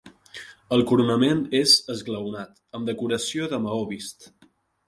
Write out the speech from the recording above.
El coronament és esglaonat, amb decoració de maó vist.